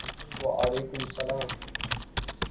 وعلیکم السلام ！